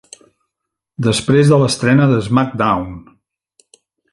Després de l'estrena de SmackDown!